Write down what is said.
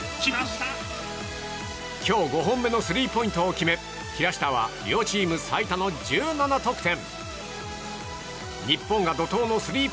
今日５本目のスリーポイントを決め平下は両チーム最多の１７得点。